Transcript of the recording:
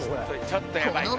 ちょっとやばいかも。